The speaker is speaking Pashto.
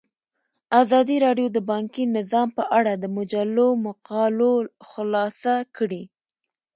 ازادي راډیو د بانکي نظام په اړه د مجلو مقالو خلاصه کړې.